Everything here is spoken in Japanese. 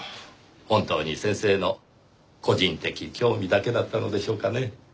本当に先生の個人的興味だけだったのでしょうかね？